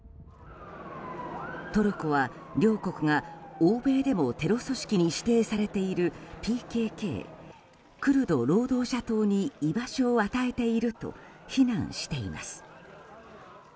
トルコは両国が欧米でもテロ組織に指定されているＰＫＫ・クルド労働者党に居場所を与えていると非難しています。